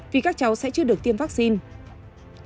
vì các cháu sẽ chưa được tiêm vaccine